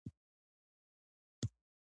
په دې صورت کې هغه خپلې پیسې کارولی نشي